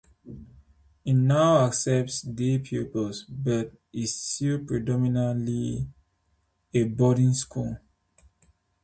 It now accepts day pupils but is still predominantly a boarding school.